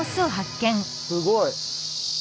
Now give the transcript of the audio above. すごい。